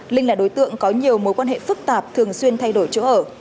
linh là đối tượng có nhiều mối quan hệ phức tạp thường xuyên thay đổi chỗ ở